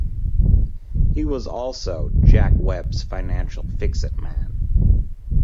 He was also Jack Web's financial fixit man.